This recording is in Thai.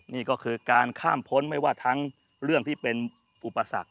นี่ก็คือการข้ามพ้นไม่ว่าทั้งเรื่องที่เป็นอุปสรรค